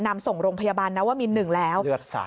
นำส่งโรงพยาบาลนวมิน๑แล้ว